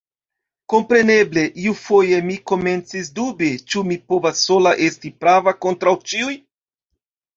Kompreneble, iufoje mi komencis dubi, ĉu mi povas sola esti prava kontraŭ ĉiuj?